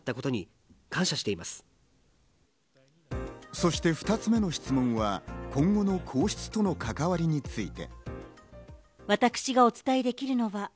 そして２つ目の質問は今後の皇室との関わりについて。